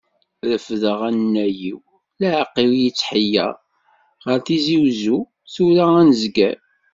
Refdeɣ anay-iw, leɛqel yettḥeyyeṛ, ɣer Tizi Wezzu, tura ad nezger.